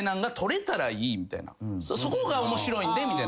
「そこが面白いんで」みたいな。